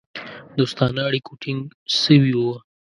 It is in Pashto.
دوستانه اړیکو ټینګ سوي وه.